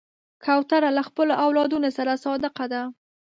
کوتره له خپلو اولادونو سره صادقه ده.